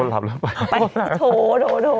กลัวหลับแล้วไปโถโถโถ